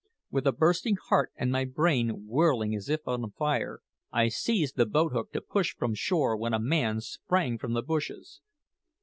With a bursting heart and my brain whirling as if on fire, I seized the boat hook to push from shore when a man sprang from the bushes.